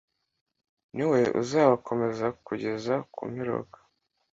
Ni we uzabakomeza kugeza ku mperuka,